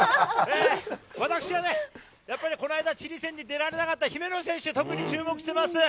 私はやっぱりこないだチリ戦に出られなかった姫野選手に特に注目しています。